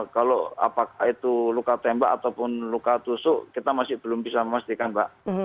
kalau apakah itu luka tembak ataupun luka tusuk kita masih belum bisa memastikan pak